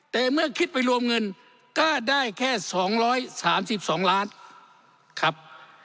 แต่เมื่อคิดไปรวมเงินก็ได้แค่สองร้อยสามสิบสองล้านครับ